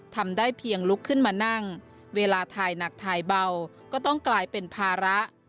ทำได้เพียงลุกขึ้นมานั่งเวลาถ่ายหนักถ่ายเบาก็ต้องกลายเป็นภาระ